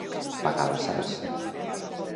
Pagar la salsa.